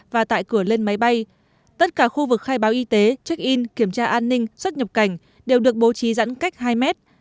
và tại cửa lên máy bay tất cả khu vực khai báo y tế check in kiểm tra an ninh xuất nhập cảnh đều được bố trí giãn cách hai mét